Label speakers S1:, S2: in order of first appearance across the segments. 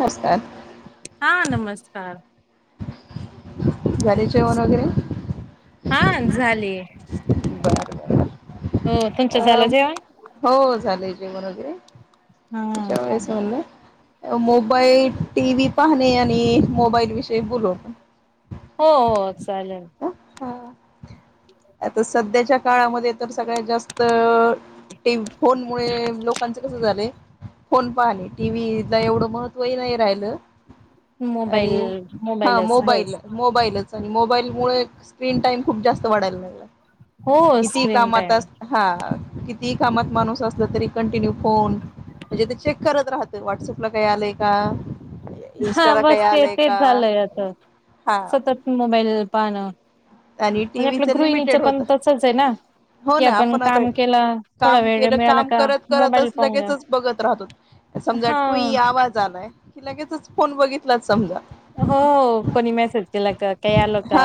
S1: हसतात
S2: हा नमस्कार
S1: झाले जेवण वगैरे?
S2: हां झाले.
S1: बरं अं
S2: जेवण
S1: हो झालंय जेवण वगैरे
S2: हा
S1: त्याच्या वेळेस म्हणलं मोबाईल टीव्ही पाहणे आणि मोबाईल विषयी बोलू आपण.
S2: हो हो चालेल.
S1: हा आता सध्याच्या काळामध्ये तर सगळ्यात जास्त ते फोन मुळे लोकांचं कसं झालंय. फोन पाहणे टीव्हीला एवढं महत्वही नाही राहिलं.
S2: मोबाईल
S1: आणि हा
S2: मोबाईलच
S1: मोबाईल
S2: बस
S1: मोबा पहिलाच मोबाईल मूळ स्क्रीन टाइम खूप जास्त वाढायला लागला.
S2: हो
S1: कितीही
S2: स्क्रीन
S1: कामात
S2: टाइम
S1: हा कितीही कामात माणूस असला तरी कंटिन्यू फोन म्हणजे ते चेक करत राहतो. व्हॉट्सअपला काही आलंय का?
S2: हा
S1: इन्स्टाला काही
S2: बस ते
S1: आलंय
S2: तेच
S1: का
S2: झालंय आता!
S1: हा
S2: सतत मोबाईल पाहान!
S1: आणि
S2: म्हणजे
S1: टीव्हीच
S2: आपलं गृहिणीचं,
S1: लिमिटेड होत
S2: पण तसच आहे ना?
S1: हो
S2: कि
S1: ना
S2: आपण
S1: आता
S2: काम केलं थोडा
S1: काम
S2: वेळ
S1: केलं
S2: मिळाला
S1: काम
S2: का?
S1: करत
S2: मोबाईल
S1: करतच
S2: पाहून घ्या!
S1: लगेचच बघत राहतो समजा
S2: हा
S1: तुई आवाज आलाय की, लगेचच फोन बघितलाच समजा!
S2: हो कोणी मेसेज केला का? काय आल का?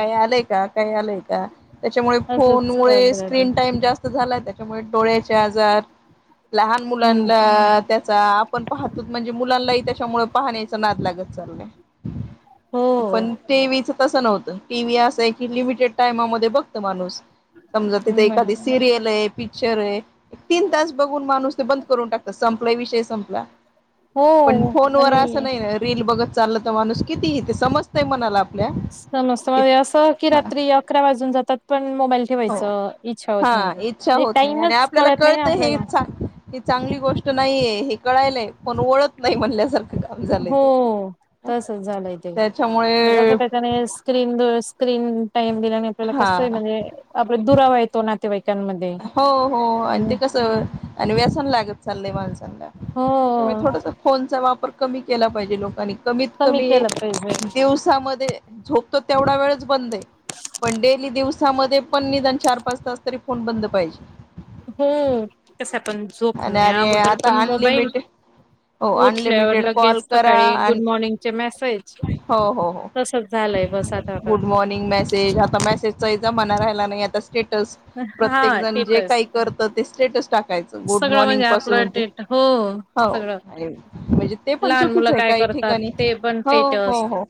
S1: काही आलाय का काही आलाय का? त्याच्यामुळे
S2: असंच
S1: फोनमुळे स्क्रीन
S2: हम्म
S1: टाईम टाइम जास्त झालाय, त्याच्यामुळे डोळ्याचे आजार, लहान मुलांला आपण पाहतोत म्हणजे मुलांनाही, त्याच्यामुळे पाहण्याचा नाद लागत चाललाय
S2: हो
S1: पण टीवीचं तसं नव्हतं! टीव्ही असं आहे की, लिमिटेड टायमामध्ये बघतं! माणूस समजा, तिथे
S2: मॅडम
S1: एखादी सिरियलये! पिक्चरये तीन तास बघून, माणूस ते बंद करून, टाकतात संपला विषय संपला. पण
S2: हो
S1: फोनवर
S2: आणि
S1: असं नाही ना! रील बघत चाललं तर, माणूस कितीही तेे समजतय मनाला आपल्या?
S2: समजत
S1: कि
S2: म्हज असं की, रात्री अकरा वाजून जातात. पण मोबाईल
S1: हो
S2: ठेवायचं इच्छा होत नाही.
S1: हा इच्छा
S2: म्हणजे
S1: होत नाही आणि
S2: टाइमच
S1: आपल्याला
S2: कळत नाही ना
S1: कळतं हे
S2: आपल्याला.
S1: चा ही चांगली गोष्ट नाहीये हे कळायलाय, पण वळत नाही म्हणल्यासारखं. काम झालंय
S2: हो
S1: ते.
S2: तसच झालंय, ते मी क!
S1: त्याच्यामुळे
S2: [unintelligible] स्क्रीन स्क्रीन टाइम दिल्याने आपल्याला
S1: हा
S2: कसं आहे, म्हणजे आपला दुरावा येतो नातेवाईकांमध्ये.
S1: हो! हो! आणि
S2: हम्म.
S1: ते कस! आणि व्यसन लागत चाललंय माणसांचं!
S2: हो
S1: त्याच्या मूळ थोडासा! फोनचा वापर कमी केला पाहिजे लोकांनी, कमीत, कमी
S2: केलं पाहिजे
S1: दिवसामध्ये झोपतो तेवढा वेळच बंद आहे. पण डेली, दिवसामध्ये पण निदान चार पाच तास तरी कोन बंद पाहिजे.
S2: हम्मः! कस पण
S1: आणि
S2: झोपण्या
S1: आणि
S2: अगोदर पण
S1: आता
S2: मोबाईल!
S1: अनलिमिटेड हो
S2: उठल्यावर
S1: अनलिमिटेड
S2: लगेच
S1: कॉल करा
S2: सकाळी, गुड
S1: आणि
S2: मॉर्निंगचे मेसेज!.
S1: हो! हो! हो!
S2: तसच झालंय बस आता का.
S1: गुड मॉर्निंग मेसेज आता मेसेज! चा ही जमाणा राहिला नाही आता स्टेटस! प्रत्येक
S2: हा
S1: जण जे
S2: स्टेटस
S1: काही करत, ते स्टेटस टाकायचं. गुड
S2: सगळं
S1: मॉर्निंग
S2: म्हणजे आपलं
S1: पासून ते
S2: टेट हो
S1: हो
S2: सगळं
S1: म्हणजे ते पण
S2: लहान
S1: चुकीच
S2: मुलं
S1: आहे,
S2: काय
S1: काही
S2: करतात
S1: ठिकाणी
S2: ते पण
S1: हो,
S2: टेटस
S1: हो! हो!.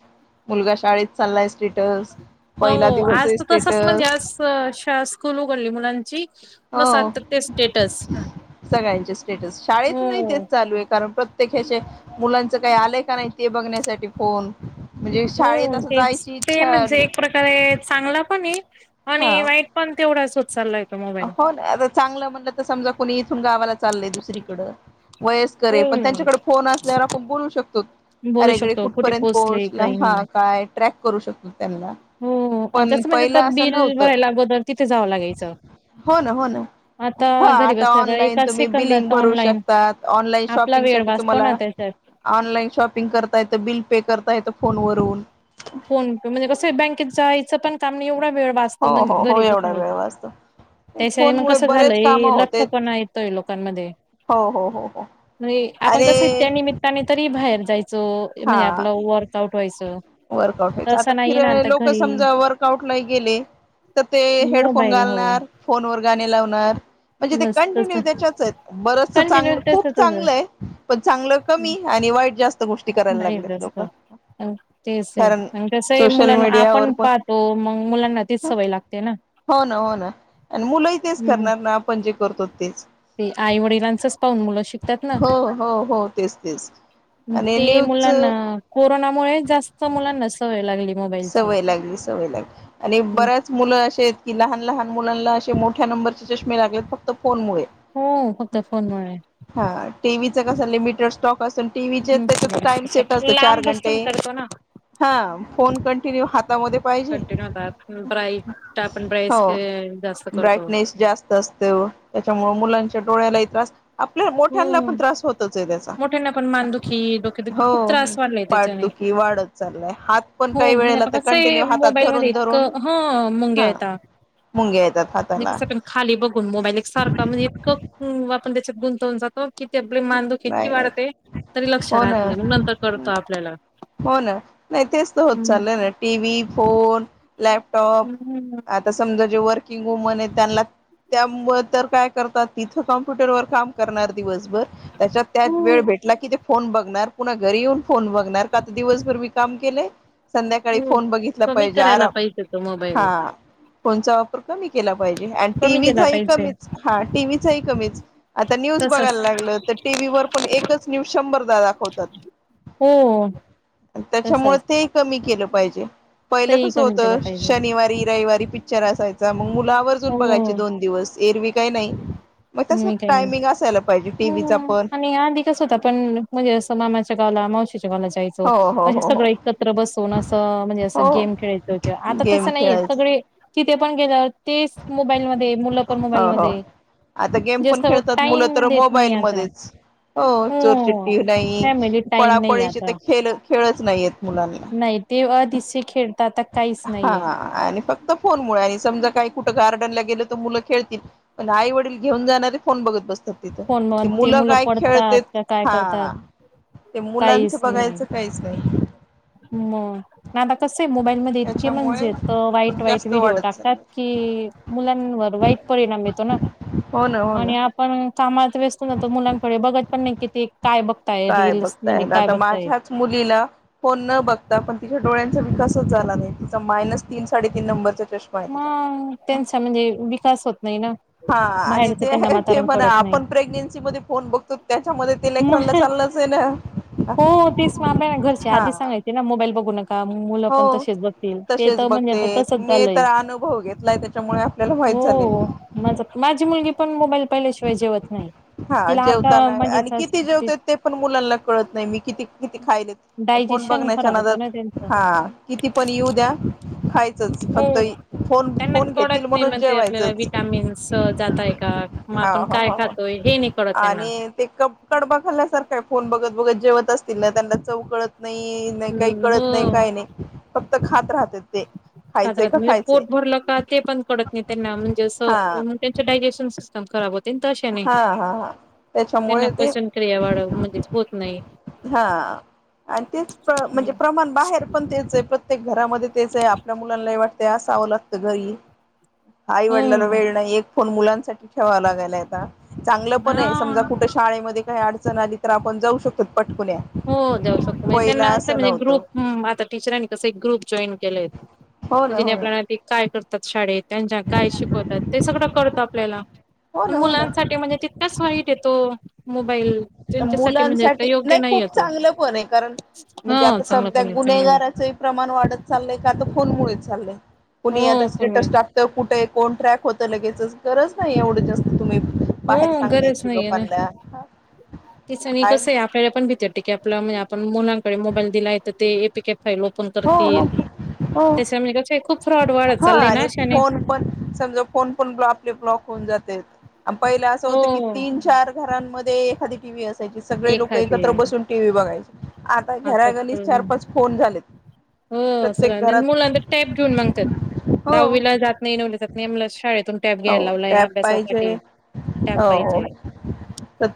S1: मुलगा शाळेत चाललाय स्टेटस!. पहिला दिवस आहे स्टेटस!.
S2: स शा शाळा स्कूल उघडली मुलांची! बस
S1: हो!
S2: आता ते स्टेटस
S1: सगळ्यांचे स्टेटस शाळेतूनही
S2: हो
S1: तेच, चालू आहे. कारण प्र ते कसे मुलांच काही, आलंय का नाही ते? बघण्यासाठी फोन? म्हणजे शाळेत असं! जायची इच्छा! !
S2: तय चांगला पण आहे आणि, वाईट पण तेवढाच होत चाललाय. तो मोबाईल
S1: आप आता चांगलं म्हणलं तर समजा, कुणी इथून! गावाला चाललंय दुसरीकडं!. वयस्करे
S2: हो
S1: पण त्यांच्याकडे फोन असल्यावर आपण, बोलू शकतो!.
S2: बोलू
S1: अरे काई
S2: शकतो कुठे
S1: कुठपर्यंत
S2: पोहोचले
S1: पोहोचला,
S2: काही
S1: हा!
S2: नाही
S1: काय ट्रॅक करू शकलो त्यांना?.
S2: हो! आणि
S1: पण
S2: तसं म्हणजे
S1: पहिलं
S2: परत
S1: असं
S2: बिल
S1: नव्हतं
S2: भरायला, अगोदर तिथे जावं लागायचं.
S1: हो ना! हो ना!.
S2: आता
S1: हा
S2: घरी
S1: आता
S2: बसल्या
S1: ऑनलाईन
S2: एका
S1: तुम्ही, बिलिंग
S2: सेकंदात
S1: भरू
S2: ऑनलाईन
S1: शकतात. ऑनलाईन
S2: आपला
S1: शॉपिंग
S2: वेळ
S1: साठी
S2: वाचतो ना
S1: तुम्हाला
S2: त्याच्या
S1: ऑनलाईन शॉपिंग करता येतं. बिल पे करता येतं! फोनवरून.
S2: फोन पे म्हणजे कसं बँकेत जायचं पण काम नाही, एवढा वेळ वाचतो,
S1: हो
S2: म्हणजे
S1: हो हो
S2: घरी
S1: एवढा
S2: बसुन
S1: वेळ
S2: बसुन!.
S1: वाचतो
S2: त्याच्या हेयानं
S1: फोनमुळे
S2: कसं
S1: बरेच काम
S2: झालंय! लठ्ठ
S1: होते
S2: पणा येतोय, लोकांमध्ये!.
S1: हो हो हो हो
S2: नये आपण
S1: अरे
S2: कस त्या निमित त्या निमित्तानी तरी बाहेर जायचो. म्हणजे
S1: हा
S2: आपला वर्कआउट व्हायचं.
S1: वर्कआउट व्हायचं. आता
S2: तसं नाहीये ना
S1: फिरायला
S2: आता
S1: लोक
S2: घरी
S1: समजा वर्कआउटला नाही गेले - तर ते हेडफोन
S2: मोबाईल हो
S1: घालणार. फोनवर गाणी लावणार. म्हणजे ते
S2: मस्त
S1: कंटिन्यू त्याच्याच आहेत. बरचस
S2: कंटिन्यू
S1: चांगल. खूप
S2: त्याचच
S1: चांगलं आहे. पण चांगलं कमी आणि वाईट जास्त गोष्ट - -ष्टी करायला लागलेत लोक.
S2: अं. तेच आहे.
S1: कारण
S2: म कसंय
S1: सोशल
S2: मुलां
S1: मीडियावर
S2: आपण
S1: पण
S2: पाहतो मग मुलांना तीच सवय लागते ना?
S1: हो ना. हो ना. आणि मुलंही तेच
S2: हम्म
S1: करणार ना आपण जे करतो तेच.
S2: ते आई वडिलांचच पाहून मुलं शिकतात ना?
S1: हो हो हो तेच तेच आणि
S2: ते
S1: न्यूज
S2: मुलांना कोरोनामुळे जास्त मुलांना सवय लागली मोबाईलची.
S1: सवय लागली सवय लागली. आणि बऱ्याच मुलं असे आहेत की लहान लहान मुलांना असे मोठ्या नंबर- चे चष्मे लागलेयत फक्त फोन मुळे.
S2: हो फक्त फोनमुळे.
S1: हां. टीव्हीच कस लिमिटेड स्टॉक असेल - टीव्हीचे त्याच्यात टाइम सेट असतो चार
S2: लांब बसून
S1: घंटे.
S2: करतो ना
S1: हा. फोन कंटिन्यू हातामध्ये पाहिजे.
S2: कंटिन्यू आता ब्राईट आपण
S1: हो
S2: ब्राईस जास्त करतो.
S1: ब्राईटनेस - जास्त असतो. त्याच्यामुळ मुलांच्या डोळ्यालाही त्रास- आपल्या मोठ्यांना पण
S2: हम्म
S1: त्रास होतच आहे त्याचा.
S2: मोठ्यांना पण मानदुखी डोकेदुखी खूप
S1: हो
S2: त्रास वाढलाय
S1: पाठ
S2: त्याच्याने.
S1: दुख - खी वाढत चाललय. हात- पण
S2: हो
S1: काही
S2: म्हणजे
S1: वेळेला
S2: आता
S1: ते
S2: कसं आहे
S1: कंटिन्यू हातात
S2: मोबाईल मध्ये
S1: धरून धरून,
S2: इतकं ह मुंग्या
S1: हा.
S2: येता.
S1: मुंग्या येतात
S2: म्हणजे
S1: हाताला.
S2: कसं पण खाली बघून मोबाईल एक सारखा म्हणजे इतकं आपण त्याच्यात गुंतवून जातो. कि ते आपली मानदुखी इतकी
S1: नाही नाही
S2: वाढते तरी लक्ष
S1: हो
S2: राहत
S1: ना
S2: नाही. मग नंतर कळत आपल्याला.
S1: हो ना. नाही तेच तर होत
S2: हम्म.
S1: चाललं ना. टी व्ही, फोन लॅपटॉप
S2: हम्म
S1: आ- समजा जे वर्किंग वुमन आहे त्यांना- त्यामुळं तर काय करतात? तिथं कम्प्युटर वर काम करणार दिवसभर- त्याच्यात त्यात वेळ
S2: खूप
S1: भेटला की ते फोन बघणार. पुन्हा घरी येऊन फोन बघणार. आता दिवसभर मी काम केलंय. संध्याकाळी
S2: खूप
S1: फोन बघितला
S2: कमी
S1: पाहिजे.
S2: करायला
S1: आराम.
S2: पाहिजे तो मोबाईल.
S1: हा. फोनचा वापर कमी केला पाहिजे. आणि
S2: कमी केला
S1: टीव्हीचाही
S2: पाहिजे
S1: कमीच. हा. टीव्हीचाही कमीच. आता न्यूज
S2: तसच
S1: बघायला लागलो तर टीव्ही वर पण एकच न्यूज शंभरदा दाखवतात.
S2: हो.
S1: त्याच्यामुळे
S2: तसच
S1: तेही कमी केलं पाहिजे. पहिलं
S2: तेही
S1: कसं
S2: कमी केला
S1: होतं?
S2: पाहिजे.
S1: शनिवारी रविवारी पिक्चर असायचा. मग मुल- वर्जून
S2: हो
S1: बघायचे दोन दिवस. एरवी काही नाही. मग तसच
S2: मी काही नाही.
S1: टायमिंग असायला पाहिजे. टी व्हीचा पण.
S2: स्वतः पण म्हणजे असं मामाच्या गावाला मावशीच्या गावाला जाईल. हो. म्हणजे सगळं एकत्र बसून असं म्हणजे असं गेम
S1: हो
S2: खेळायच किंवा आता
S1: गेम
S2: तसं नाहीये
S1: खेळायच
S2: सगळे- तिथे पण गेल्यावर, तेच मोबाईलमध्ये मुलं पण
S1: हो हो
S2: मोबाईलमध्ये.
S1: आता गेम पण
S2: जास्त
S1: खेळतात मुलं
S2: टाइम
S1: तर
S2: देत नाही
S1: मोबाईल
S2: आता
S1: मध्येच. हो
S2: हो
S1: चोरचिट्टी नाही.
S2: फॅमिली टाइम नाही
S1: पळापळीचे तर
S2: आता
S1: खेल खेळच नाहीयेत मुलांना.
S2: नाही ते आधीचे खेळ तर आता. काहीच
S1: हां.
S2: नाहीये
S1: हां. आणि फक्त फोनमुळे आणि समजा काही कुठं गार्डनला गेल तर मुलं खेळतील- पण आई वडील घेऊन जाणारे फोन बघत बसतात. तिथ.
S2: फोन म
S1: ते मुलं काय
S2: पडतात
S1: खेळतेत,
S2: का काय करतात
S1: हां. ते मुलांचं
S2: काहीच
S1: बघायचं काय- स
S2: म. ना आता कसं आहे मोबाईल मध्ये इतके
S1: त्याच्यामुळे
S2: म्हणजे वाईट
S1: खूप
S2: वाईट
S1: जास्त
S2: व्हिडिओ
S1: वाढत
S2: टाकतात
S1: चाललं
S2: की मुलांवर वाईट परिणाम येतो ना.
S1: हो ना हो ना.
S2: पण कामात व्यस्त न तो मुलांकडे बघत पण नाही किती ते काय बघ
S1: काय बघतायेत, आता माझ्यात मुलीला फोन न बघता पण तिच्या डोळ्यांचा विकासच झाला नाही त मायनस तीन साडेतीन नंबरचा चस्
S2: मग त्यांचा म्हणजे विकास होत नाही ना.
S1: हा आणि
S2: बाहेरच
S1: ते
S2: त्यांना
S1: ते
S2: वातावरण
S1: म्हणा
S2: कळत नाही
S1: आपण प्रेग्नेन्सी मध्ये फोन बघतो त्याच्यामध्ये ते
S2: मग
S1: लेकरांना चाललंच आहे ना
S2: हो तेच मा [unintelligible] घरचे
S1: हा
S2: आधी सांगायची ना मोबाईल बघू नका. का मुलं
S1: हो
S2: पण तसेच बघतील ते
S1: तसेच
S2: तर म्हणजे
S1: बघते
S2: आ तसंच
S1: मी
S2: झालंय
S1: तर अनुभव गेत लाय त्याच्यामुळे आपल्याला माहित
S2: हो
S1: झाले
S2: हो माझ माझी मुलगी पण मोबाईल पहिल्याशिवाय जेवत नाही.
S1: हा
S2: तिला आता
S1: जेवतान, आणि किती
S2: म्हणजे
S1: जेवतत ते पण मुलांना कळत नाही मी किती किती खायले ते फोन
S2: डायजेशन
S1: बघण्याच्या
S2: खराब
S1: नादात,
S2: होतं ना त्यांचं
S1: हा किती पण येऊ द्या खायचच फक्त
S2: हो
S1: फोन
S2: त्यांना
S1: फोन
S2: कळत
S1: घेतील
S2: नाही
S1: म्हणून
S2: म्हण ते आपल्याला
S1: जेवायचंच
S2: विटामिन्स जातय का? मग
S1: हा
S2: आपण
S1: ह
S2: काय
S1: ह
S2: खातोय? हे नाही कळत त्यांना.
S1: आणि ते कप कडबा खाल्ल्यासारख हाय, फोन बघत बघत जेवत असतील ना त्यांना चव कळत नाही नाही काही
S2: हम्म हो
S1: कळत नाही काही नाही, फक्त खात राहत
S2: खादरक, म्हणजे पोट भरलं का ते पण पडत नाही त्यांना म्हणजे असं
S1: हा
S2: त्यांच डायजेशन सिस्टम खराब होते न तशा ने,
S1: हा हा हा
S2: त्यांना
S1: त्याच्यामुळे ते
S2: पचन क्रिया वाढव म्हणजेच होत नाही.
S1: हा, आणि तेच म्हणजे
S2: हम्म.
S1: प्रमाण बाहेर पण तेच आहे प्र प्रत्येक घरामध्ये तेच ये, आपल्या मुलांनाही वाटत असावं लागतं घरी. आाई वडलाला वेळ नाही एक फोन मुलांसाठी ठेवा लागायला आता चांगलं पण ये, समजा
S2: हा.
S1: कुठ शाळेमध्ये काही अडचण आली तर आपण जाऊ शकतो पटकुल्या.
S2: हो जाऊ शकतो, म्हणजे त्यांना असं म्हणजे ग्रुप आता टीचरांनी कसं एक ग्रुप जॉईन केलंय
S1: हो ना
S2: जिने
S1: हो ना
S2: आपल्याला ते काय करतात शाळेत, त्यांच्या काय शिकवतात ते सगळं करत आपल्याला
S1: हो
S2: पण
S1: ना हो ना
S2: मुलांसाठी म्हणजे तितकच सोई देतो मोबाईल तेच्यासाठी म्हणजे
S1: मुलांसाठी
S2: योग्य नाही
S1: खूप
S2: अत.
S1: चांगलं पण ये, कारण म्हणजे आता
S2: चांगला
S1: सध्या
S2: पण आहे चांगला वेळ
S1: गुन्हेगाराच प्रमाण वाढत चाललंय का तर फोनमुळेच चाललंय. कुणी आता
S2: हो पण वेळ
S1: स्टेटस टाकत, कुठे कोण ट्रॅक होत, लगेच गरज नाही एवढं जास्त तुम्ही बाहेर
S2: हम गरज
S1: सांगण्याची
S2: नाही ये ना,
S1: लोकांना
S2: तिच मी
S1: हाय
S2: कस ये आप त्याची पण भिती वाटती की आपला आपण मुलांकडे मोबाईल दिला ये तर ते A P K file open
S1: हो हो
S2: करतील,
S1: हो
S2: त्याच्या मुळेच खूप फ्रॉड वाढ
S1: हा
S2: चालय ना
S1: आणि
S2: अशाने.
S1: फोन पण समजा कोण पण आपले ब्लॉक होऊन जातेत, पहिला असं होतं की
S2: हो.
S1: तीन चार घरांमध्ये एखादी टीव्ही असायची सगळे लोक
S2: एखादे
S1: एकत्र बसून टीव्ही बघायचे. आता घरा गलीत चार पाच फोन झालेत.
S2: हो
S1: प्रत्येक घरात
S2: सगळं मुला टॅप घेऊन मंगतात,
S1: हो.
S2: दहावीला जात नाही नवविला जात नेमल शाळेतून टॅप
S1: हो
S2: घ्यायला लावलाय
S1: टॅब पाहिजे
S2: अभ्यासासाठी टॅप
S1: हो हो
S2: पाहिजे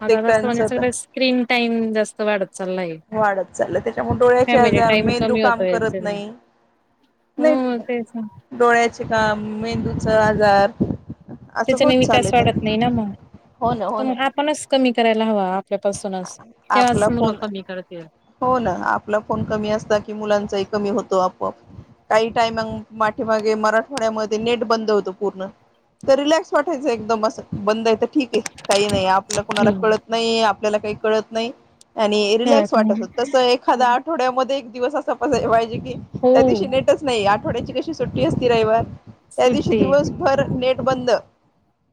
S2: आता जास्त म्हणजे
S1: तर
S2: सगळ स्क्रीन टाइम जास्त वाढत चालला ये.
S1: वाढत चाललं त्याच्यामुळे डोळ्याचे आजार मेंदू
S2: कमी
S1: काम करत नाही.
S2: हो हो
S1: नाही
S2: तेच ना
S1: डोळ्याचे काम मेंदूचा आजार. असं
S2: त्याचाने
S1: होत
S2: विकास
S1: चाललंय
S2: वाढत
S1: त्या
S2: नाही ना मग.
S1: हो ना हो ना.
S2: आपणच कमी करायला हवा आपल्यापासूनच. तेव्हाच
S1: आपला
S2: मुलं
S1: फोन
S2: कमी करतील.
S1: हो ना, आपला फोन कमी असला की मुलांचाही कमी होतो आपोआप. काही टायम पाठीेमागे मराठवाड्यामध्ये नेट बंद होत पूर्ण. रिलॅक्स वाटायचं एकदम अस बंद ये तर. ठीक आहे काही नाही आपलं कुणाला कळत नाही, आपल्याला काही कळत नाही आणि रिलॅक्स
S2: खेळत
S1: वाटत
S2: नाही
S1: होत. तसं एखादा आठवड्यामध्ये एक दिवस अस पाहिजे की
S2: हो
S1: त्या दिवशी नेट नाही. आठवड्याची कशी सुट्टी असती रविवार. त्या दिवशी
S2: सुट्टी
S1: दिवसभर नेट बंद.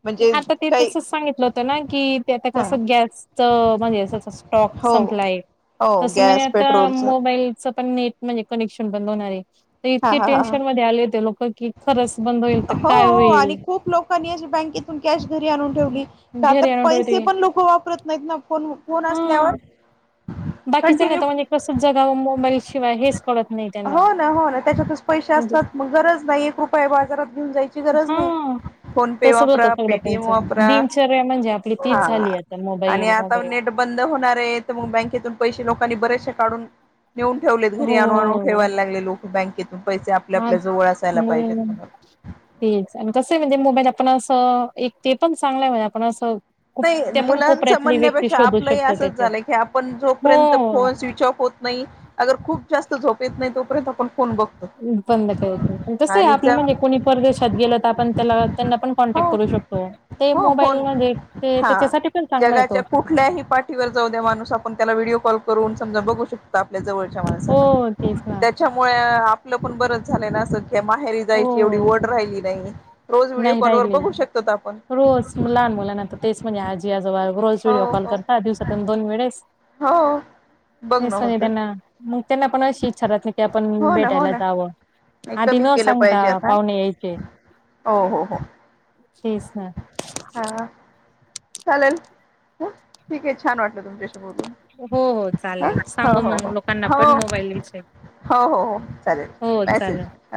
S1: म्हणजे
S2: आता ते
S1: काही
S2: तसच सांगितलं होतं ना कि ते आता
S1: हा
S2: कस गॅस च. म्हणजे स्टॉक
S1: हो
S2: संपलाय
S1: हो
S2: तस म्हणे
S1: गॅस
S2: आता
S1: पेट्रोलच
S2: मोबाईल पण नेट म्हणजे कनेक्शन बंद होणार. आहे तर
S1: हा
S2: इतके
S1: हा हा
S2: टेन्शन मध्ये आले होते लोक की खरंच बंद होईल तर
S1: हो
S2: काय
S1: हो
S2: होईल.
S1: आणि खूप लोकांनी अशे बँकेत कॅश घरी आणून ठेवली. आता
S2: घरी आणून
S1: पैसे
S2: ठेवते
S1: पण लोक वापरत नाहीत ना. फोन फोन असल्यावर.
S2: बाकीच्याना
S1: कंटिन्यू
S2: तर, म्हणजे कस जगाव मोबाईल शिवाय हेच कळत नाहीत.
S1: हो ना हो ना. त्याच्यातच पैसे असतात मग गरज नाही एक रुपयया बाजारात घेऊन जायची. ची गरज नाही.
S2: हा
S1: फोन पे
S2: तसच होतं
S1: वापरा
S2: सगळं
S1: पेटीएम
S2: त्यांचं
S1: वापरा
S2: दिनचर्या म्हणजे आपली
S1: हा
S2: तीच झाली आता
S1: आणि
S2: मोबाईल
S1: आता
S2: मोबाईल
S1: नेट बंद होणार आहेत. मग, बँकेतून पैसे लोकांनी बरेचसे काढून नेऊन ठेवलेत घरी
S2: हो
S1: आणू अ आणू. बँकेतून पैसे आपल्या
S2: हा
S1: आपल्या जवळ असायला पाहिजेत.
S2: मग तेच आणि कस म्हणजे मोबाईल आपण असं एक ते पण चांगलंय म्हणजे आपण असं खूप
S1: नाही
S2: ते पण
S1: मुलांच
S2: कोपऱ्यातली व्यक्ती
S1: म्हणण्यापेक्षा
S2: शोधू
S1: आपलंही
S2: शकतो
S1: असंच
S2: त्याच्यात.
S1: झालंय की आपण जोपर्यंत
S2: हो.
S1: फोन स्विच ऑफ होत नाही. आगर खूप जास्त झोपेत येत नाही तोपर्यंत आपण फोन बघ
S2: बंद करायच. कस आपलं म्हणजे कोणी परदेशात गेलो तर आपण त्याला त्यांना
S1: हो
S2: कॉन्टॅक्ट करू शकतो. ते
S1: हो
S2: मोबाईल
S1: फोन
S2: मध्ये
S1: हा
S2: त्याच्यासाठी पण चांगला ये तो
S1: जगाच्या कुठल्याही पाठीवर जाऊ द्या माणूस आपण त्याला व्हिडिओ कॉल करून समजा बघू शकता आपल्या जवळ
S2: हो तेच ना.
S1: त्याच्या मू होय, आपलं पण बरंच झालंय ना अस. माहेरी जायची एवढी
S2: हो
S1: ओढ राहिली नाही. रोज
S2: नाही
S1: वर
S2: राहिले.
S1: बघू शकतो आपण.
S2: रोज लहान मुलाना तर तेच म्हणजे आजी आजोबा रोज
S1: हो
S2: व्हिडिओ कॉल
S1: हो
S2: करता दिवसातून दोन वेळेस.
S1: हो
S2: [unintelligible]
S1: बघ न होत
S2: त्यां ना मग त्यांना पण अशी इच्छा रहात नाही की आपण
S1: हो ना हो
S2: भेटायला
S1: ना
S2: जावं.
S1: नाही
S2: आधी
S1: कमी
S2: न
S1: केलं पाहिजे आता
S2: पाहुणे यायचे.
S1: हो हो हो
S2: तेच ना.
S1: हा चालेल ठीक आहे छान वाटलं तुमच्याशी बोलून
S2: हो हो
S1: ह
S2: चालेल
S1: हो
S2: सांगू
S1: हो
S2: मग
S1: हो
S2: लोकांना पण
S1: हो हो
S2: मोबाईल विषयी
S1: हो हो चालेल
S2: हो चालेल.
S1: मेसेज ह